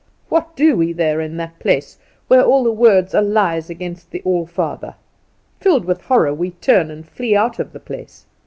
What do we there in that place, where all the words are lies against the All Father? Filled with horror, we turn and flee out of the place.